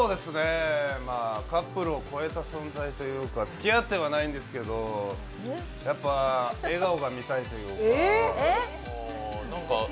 カップルを超えた存在というか、つきあってはないんですけどやっぱ笑顔が見たいというか。